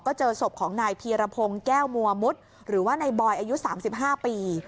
ก็เจอศพของนายพีรพงศ์แก้วมัวมุดหรือว่านายบอยอายุ๓๕ปี